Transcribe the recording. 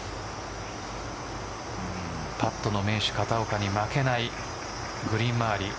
パットの名手、片岡に負けないグリーン周り。